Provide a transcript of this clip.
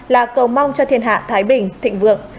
là cầu mong cho thiên hạ thái bình thịnh vượng